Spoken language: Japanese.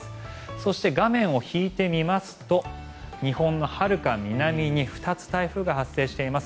そして画面を引いてみますと日本のはるか南に２つ、台風が発生しています。